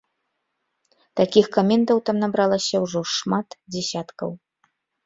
Такіх каментаў там набралася ўжо шмат дзясяткаў.